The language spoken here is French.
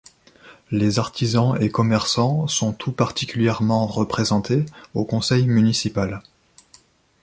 Les artisans et commerçants sont tout particulièrement représentés au conseil municipal.